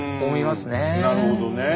なるほどねえ